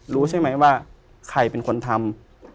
รู้ใช่ไหมว่าใครเป็นคนทำ